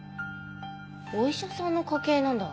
お医者さんの家系なんだ。